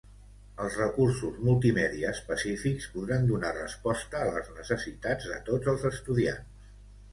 Els recursos multimèdia específics podran donar resposta a les necessitats de tots els estudiants.